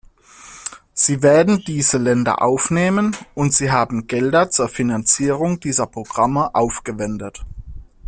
Sie werden diese Länder aufnehmen und Sie haben Gelder zur Finanzierung dieser Programme aufgewendet.